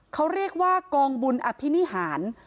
เขาเรียกว่ากองบุญอภินิหาร